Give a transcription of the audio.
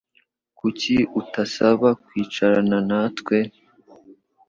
Kuki utasaba kwicarana natwe